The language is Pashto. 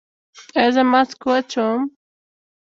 ایا زه ماسک واچوم؟